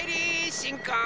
しんくん。